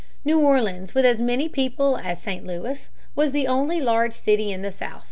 New Orleans, with nearly as many people as St. Louis, was the only large city in the South.